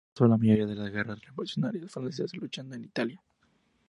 Pasó la mayoría de las Guerras Revolucionarias francesas luchando en Italia.